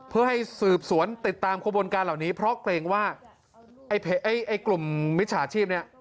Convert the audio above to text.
เพื่อให้สืบสวนติดตามขบวนการเหล่านี้เพราะเกรงว่าไอ้กลุ่มมิจฉาชีพเนี่ย